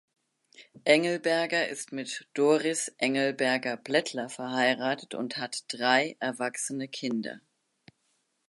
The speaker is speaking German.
Engelberger ist mit Doris Engelberger-Blättler verheiratet und hat drei erwachsene Kinder.